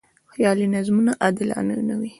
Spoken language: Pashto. خیالي نظمونه عادلانه نه و.